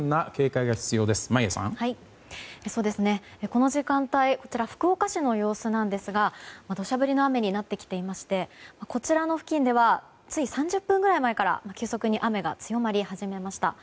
この時間帯福岡市の様子なんですが土砂降りの雨になってきていましてこちらの付近ではつい３０分ぐらい前から急速に雨が強まり始めました。